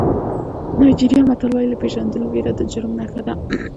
نایجیریایي متل وایي له پېژندلو وېره د جرم نښه ده.